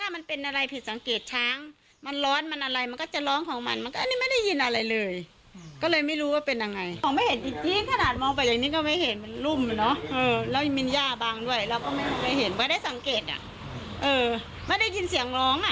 หมายถึงจะเห็นไว้ได้สังเกตไม่ได้ยินเสียงร้อง